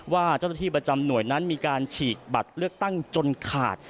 ว่าเจ้าหน้าที่ประจำหน่วยนั้นมีการฉีกบัตรเลือกตั้งจนขาด